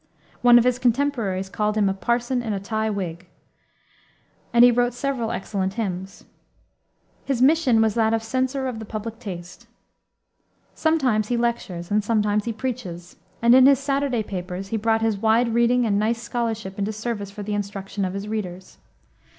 One of his contemporaries called him "a parson in a tie wig," and he wrote several excellent hymns. His mission was that of censor of the public taste. Sometimes he lectures and sometimes he preaches, and in his Saturday papers, he brought his wide reading and nice scholarship into service for the instruction of his readers.